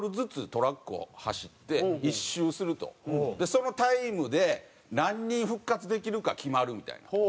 そのタイムで何人復活できるか決まるみたいな。